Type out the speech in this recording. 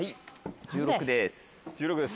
１６です。